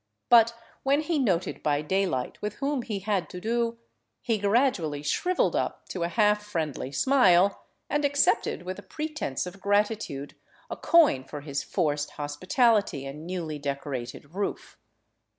But when he noted by daylight with whom he had to do, he gradually shrivelled up to a half friendly smile, and accepted with a pretence of gratitude a coin for his forced hospitality and newly decorated roof.